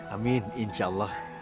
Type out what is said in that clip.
amin insya allah